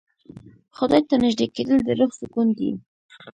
خدای ته نژدې کېدل د روح سکون دی.